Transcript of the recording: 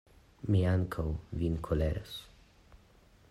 Mi ankaŭ vin koleros.